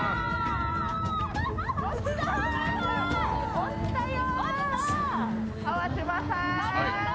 落ちたよ。